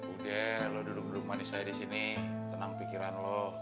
udah lo duduk duduk manis aja disini tenang pikiran lo